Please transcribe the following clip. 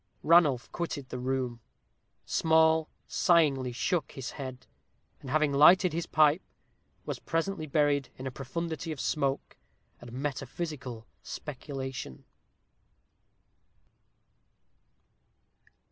Ranulph quitted the room. Small sighingly shook his head, and having lighted his pipe, was presently buried in a profundity of smoke and metaphysical speculation.